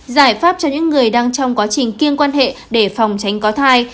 giải pháp cho những người đang trong quá trình kiêng quan hệ để phòng tránh có thai